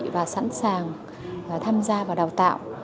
và sẵn sàng tham gia vào đào tạo